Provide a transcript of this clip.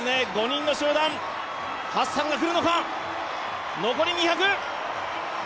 ５人の集団、ハッサンが来るのか、残り２００。